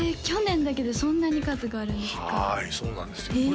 去年だけでそんなに数があるんですか？